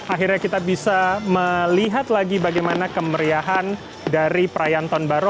akhirnya kita bisa melihat lagi bagaimana kemeriahan dari perayaan tahun baru